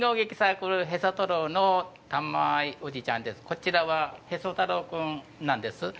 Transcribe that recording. こちらはへそ太郎君なんです。